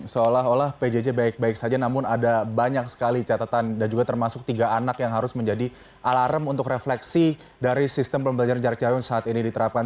seolah olah pjj baik baik saja namun ada banyak sekali catatan dan juga termasuk tiga anak yang harus menjadi alarm untuk refleksi dari sistem pembelajaran jarak jauh saat ini diterapkan